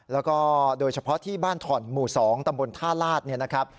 แล้วก็โดยเฉพาะที่บ้านถ่อนหมู่๒ตำบลท่าลาศเนี่ยนะครับ